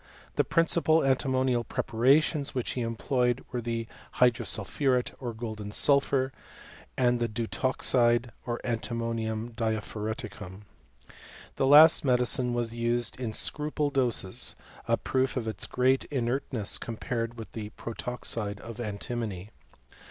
The principal antimonial preparations which he employed were the hydrosulphuret, or golden sulphur, and the deutoxide, or antimonium diaphoreticum. This last medicine was used in scruple doses — a proof of its great inert ness compared with the protoxide of antimony.